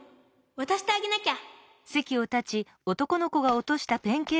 わたしてあげなきゃ！